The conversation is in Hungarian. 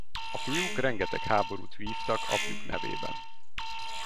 A fiúk rengeteg háborút vívtak apjuk nevében.